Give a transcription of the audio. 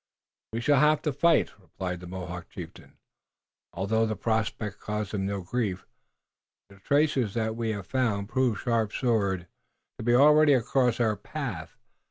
"We shall have to fight," replied the Mohawk chieftain, although the prospect caused him no grief. "The traces that we have found prove Sharp Sword to be already across our path.